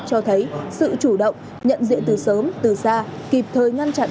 cho thấy sự chủ động nhận diện từ sớm từ xa kịp thời ngăn chặn